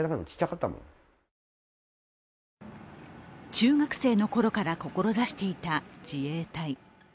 中学生のころから志していた自衛隊。